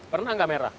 pernah nggak merah